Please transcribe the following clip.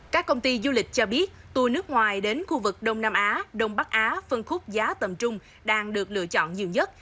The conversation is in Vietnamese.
các công ty du lịch cho biết tour nước ngoài đến khu vực đông nam á đông bắc á phân khúc giá tầm trung đang được lựa chọn nhiều nhất